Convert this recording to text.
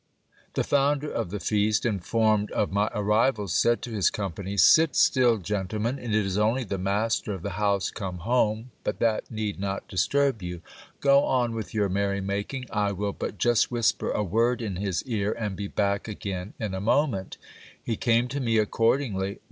The founder of the feast, informed of my arrival, said to his company : Sit still, gentlemen, it is only the master of the house come home, but that need :iot disturb you. Go on with your merry making ; I will but just whisper a vord in his ear, and be back again in a moment He came to me accordingly.